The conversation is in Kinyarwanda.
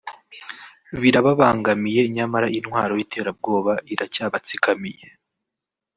birababangamiye nyamara intwaro y’iterabwoba iracyabatsikamiye